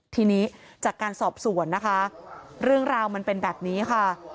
ทีนี้จากการสอบสวนนะคะเรื่องราวมันเป็นแบบนี้ค่ะ